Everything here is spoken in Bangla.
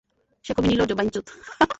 সে খুবই নির্লজ্জ, বাইনচোত।